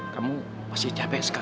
kamu pasti cabai sekali